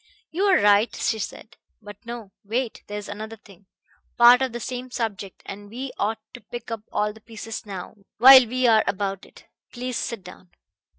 "You are right," she said. "But no! Wait. There is another thing part of the same subject; and we ought to pick up all the pieces now while we are about it. Please sit down."